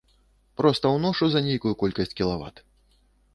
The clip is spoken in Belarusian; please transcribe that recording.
Проста ўношу за нейкую колькасць кілават.